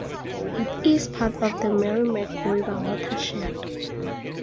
It is part of the Merrimack River watershed.